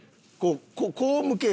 こう向けよ。